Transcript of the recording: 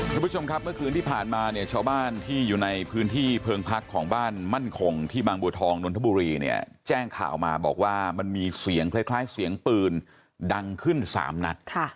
คุณผู้ชมครับเมื่อคืนที่ผ่านมาเนี่ยชาวบ้านที่อยู่ในพื้นที่เพิงพักของบ้านมั่นคงที่บางบัวทองนนทบุรีเนี่ยแจ้งข่าวมาบอกว่ามันมีเสียงคล้ายเสียงปืนดังขึ้น๓นัด